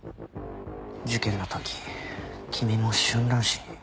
事件の時君も春蘭市に。